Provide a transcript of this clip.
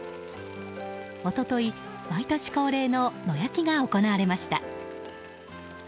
一昨日、毎年恒例の野焼きが行われました。